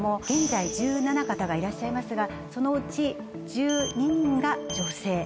現在１７方がいらっしゃいますがそのうち１２人が女性。